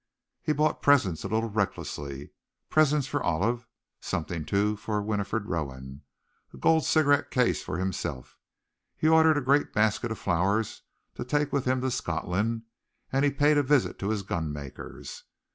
He bought presents a little recklessly presents for Olive something, too, for Winifred Rowan, a gold cigarette case for himself. He ordered a great basket of flowers to take with him to Scotland, and paid a visit to his gunmaker's.